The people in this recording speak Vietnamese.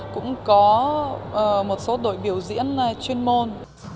cũng có một số đội biểu diễn chuyên môn